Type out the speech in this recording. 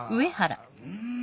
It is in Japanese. うん。